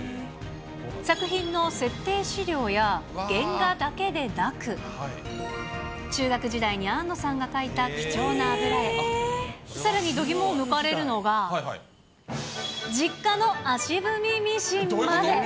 作品の設定資料や、原画だけでなく、中学時代に庵野さんが描いた貴重な油絵、さらに度肝を抜かれるのが、実家の足踏みミシンまで。